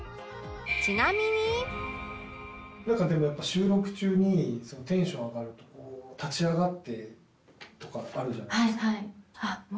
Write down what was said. でもやっぱ収録中にテンション上がるとこう立ち上がってとかってあるじゃないですか。